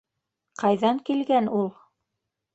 Ҡайҙан килгән ул?